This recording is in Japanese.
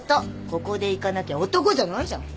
ここで行かなきゃ男じゃないじゃん。